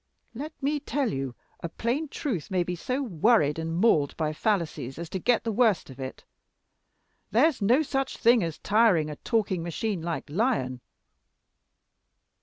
Let me tell you, a plain truth may be so worried and mauled by fallacies as to get the worst of it. There's no such thing as tiring a talking machine like Lyon."